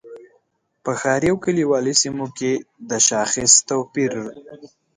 په ښاري او کلیوالي سیمو کې د شاخص توپیر.